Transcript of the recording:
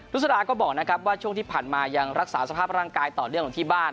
สดาก็บอกนะครับว่าช่วงที่ผ่านมายังรักษาสภาพร่างกายต่อเนื่องของที่บ้าน